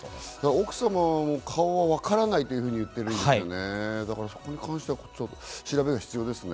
奥さんは顔はわからないと言ってるんですよね。